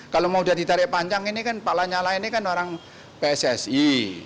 kalau mau sudah ditarik panjang ini kan pak lanyala ini kan orang pssi